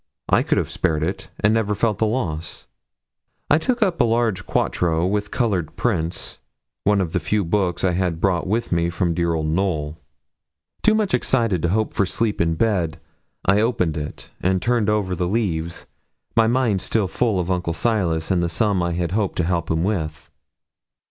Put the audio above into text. I could have spared it, and never felt the loss. I took up a large quarto with coloured prints, one of the few books I had brought with me from dear old Knowl. Too much excited to hope for sleep in bed, I opened it, and turned over the leaves, my mind still full of Uncle Silas and the sum I hoped to help him with.